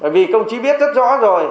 bởi vì công chí biết rất rõ rồi